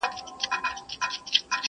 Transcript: نه د جنډۍ په ننګولو د بابا سمېږي!!